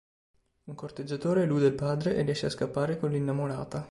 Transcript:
Un corteggiatore elude il padre e riesce a scappare con l'innamorata.